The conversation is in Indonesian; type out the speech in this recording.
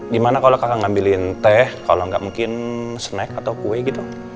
gimana kalau kakak ngambilin teh kalau nggak mungkin snack atau kue gitu